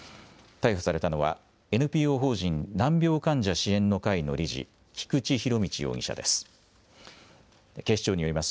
逮捕されたのは、ＮＰＯ法人難病患者支援の会の理事、菊池仁達容疑者です。